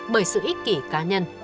bởi sự ích kỷ cá nhân